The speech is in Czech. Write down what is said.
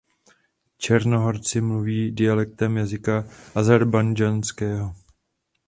Černohorci mluví dialektem jazyka ázerbájdžánského.